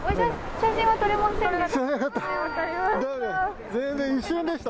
写真は撮れませんでした。